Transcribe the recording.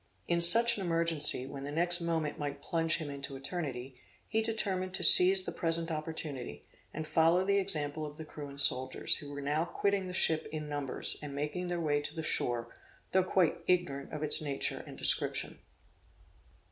In such an emergency, when the next moment might plunge him into eternity, he determined to seize the present opportunity, and follow the example of the crew and the soldiers, who were now quitting the ship in numbers, and making their way to the shore, though quite ignorant of its nature and description.